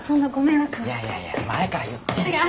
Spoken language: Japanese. いやいや前から言ってんじゃん。